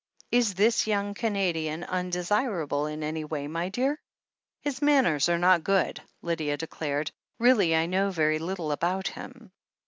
"Is this young Canadian imdesirable in any way, my dear?" "His manners are not good," Lydia declared. "Really, I know very little about him."